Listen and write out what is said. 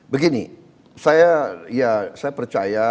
begini saya percaya